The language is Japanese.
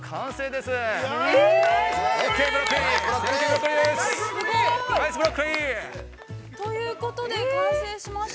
◆すごい。◆ということで、完成しました